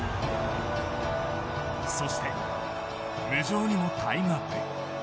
そして無情にもタイムアップ。